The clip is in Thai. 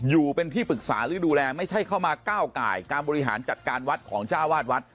อยู่เป็นที่ปรึกษาหรือดูแลไม่ใช่เข้ามาก้าวไก่การบริหารจัดการวัดของเจ้าวาดวัด